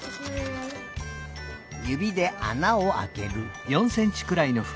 ゆびであなをあける。